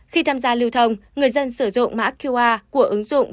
khi tham gia lưu thông người dân sử dụng mã qr của ứng dụng